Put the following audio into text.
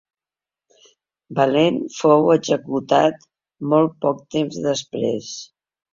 Valent fou executat molt poc temps després.